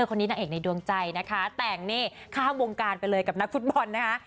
คนนี้นางเอกในดวงใจนะคะแต่งนี่ข้ามวงการไปเลยกับนักฟุตบอลนะคะ